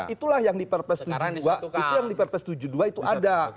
itulah yang di perpres tujuh puluh dua itu ada